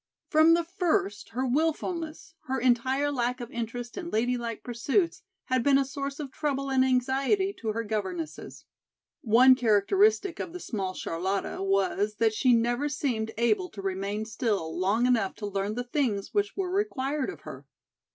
From the first her wilfulness, her entire lack of interest in ladylike pursuits had been a source of trouble and anxiety to her governesses. One characteristic of the small Charlotta was that she never seemed able to remain still long enough to learn the things which were required of her.